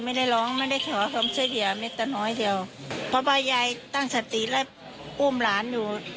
ไม่ได้ร้องไม่ได้เขียวความเชื่อเดียเม็ดแต่น้อยเดียวเพราะว่ายายตั้งสติและอุ้มหลานอยู่